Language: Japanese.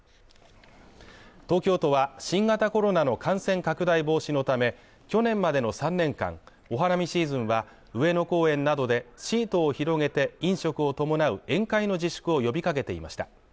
東京都は、新型コロナの感染拡大防止のため去年までの３年間お花見シーズンは、上野公園などで、シートを広げて飲食を伴う宴会の自粛を呼びかけていました。